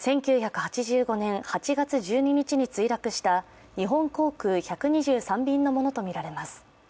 １９８５年８月１２日に墜落した日本航空１２３便のものとみられます。